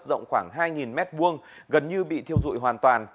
rộng khoảng hai m hai gần như bị thiêu dụi hoàn toàn